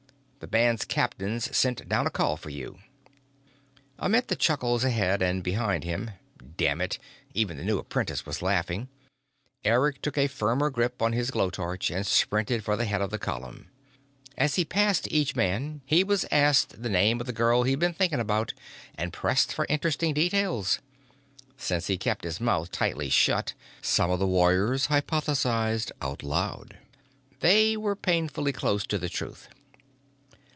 The band captain's sent down a call for you." Amid the chuckles ahead and behind him damn it, even the new apprentice was laughing! Eric took a firmer grip on his glow torch and sprinted for the head of the column. As he passed each man, he was asked the name of the girl he'd been thinking about and pressed for interesting details. Since he kept his mouth tightly shut, some of the warriors hypothesized out loud. They were painfully close to the truth.